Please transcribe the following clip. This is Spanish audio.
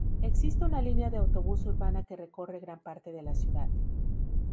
Existe una línea de autobús urbana que recorre gran parte de la ciudad.